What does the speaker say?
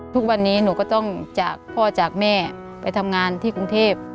ทุกวันนี้หนูก็ต้องจากพ่อจากแม่ไปทำงานที่กรุงเทพ